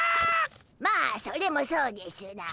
まあそれもそうでしゅな。